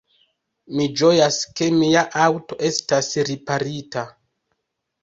Mi ĝojas, ke mia aŭto estas riparita.